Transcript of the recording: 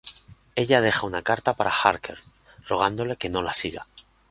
Ella deja una carta para Harker, rogándole que no la siga.